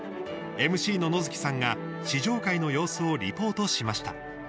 ＭＣの野月さんが試乗会の様子をリポートしました。